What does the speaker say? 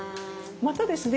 またですね